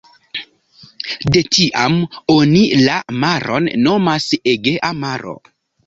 De tiam oni la maron nomas Egea Maro.